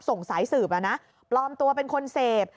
ส่งสายสืบปลอมตัวเป็นคนเสพ